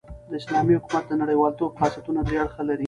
د اسلامي حکومت د نړۍوالتوب خاصیتونه درې اړخه لري.